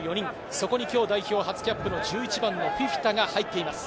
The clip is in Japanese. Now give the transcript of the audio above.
そこに代表初キャップの１１番のフィフィタが入っています。